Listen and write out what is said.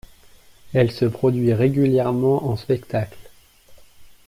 Elle se produit régulièrement en spectacle.